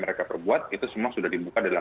mereka perbuat itu semua sudah dibuka dalam